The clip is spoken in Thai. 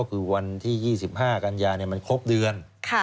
แต่ก็คือวันที่๒๕กันอย่างนี้มันครบเดือน